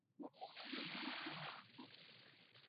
wa familia hiyo ambayo imeenda nisema huyo mtoto akitoka hapa